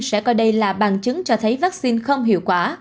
sẽ coi đây là bằng chứng cho thấy vaccine không hiệu quả